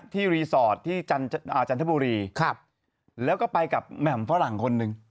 รีสอร์ทที่จันทบุรีแล้วก็ไปกับแหม่มฝรั่งคนหนึ่ง